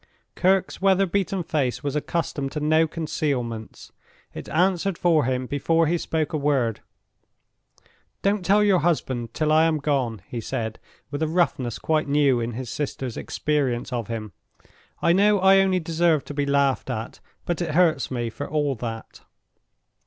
Kirke's weather beaten face was accustomed to no concealments—it answered for him before he spoke a word. "Don't tell your husband till I am gone," he said, with a roughness quite new in his sister's experience of him. "I know I only deserve to be laughed at; but it hurts me, for all that."